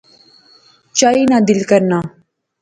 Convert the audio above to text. چائی نا دل کرنا